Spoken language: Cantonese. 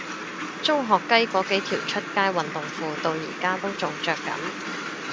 中學雞嗰幾條出街運動褲到而家都仲着緊